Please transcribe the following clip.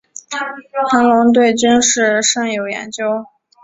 谭纶对军事甚有研究。